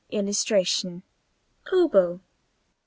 [Illustration: OBOE.